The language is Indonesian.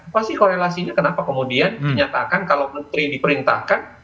pasti korelasinya kenapa kemudian dinyatakan kalau menteri diperintahkan